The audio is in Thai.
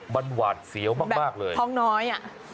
มันหวาดเสียวมากเลยท้องน้อยอ่ะ